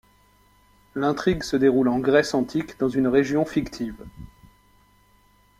L'intrigue se déroule en Grèce antique dans une région fictive.